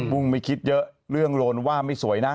ุ้งไม่คิดเยอะเรื่องโลนว่าไม่สวยนะ